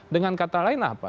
dengan kata lain apa